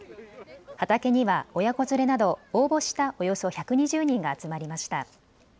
畑には親子連れなど応募したおよそ１２０人が集まりました。